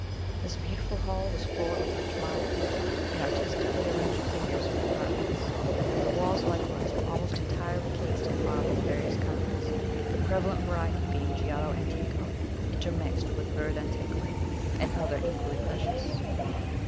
This beautiful hall was floored with rich marbles, in artistically arranged figures and compartments. The walls, likewise, were almost entirely cased in marble of various kinds, the prevalent, variety being giallo antico, intermixed with verd antique, and others equally precious.